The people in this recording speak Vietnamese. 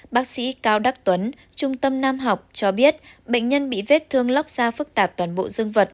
bác sĩ cao đắc tuấn trung tâm nam học cho biết bệnh nhân bị vết thương lóc da phức tạp toàn bộ dương vật